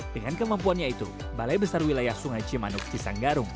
dengan kemampuannya itu balai besar wilayah sungai cimanuk cisanggarung